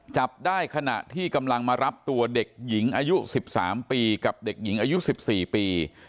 จับได้ขณะที่กำลังมารับตัวเด็กหญิงอายุ๑๓ปีกับเด็กหญิงอายุ๑๔ปี